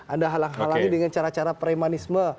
anda halang halangi dengan cara cara premanisme